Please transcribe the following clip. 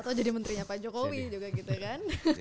atau jadi menterinya pak jokowi juga gitu kan